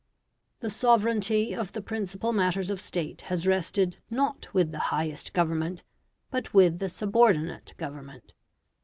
The sovereignty of the principal matters of State has rested not with the highest Government, but with the subordinate Government.